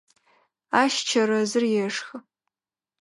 Ащ чэрэзыр ешхы.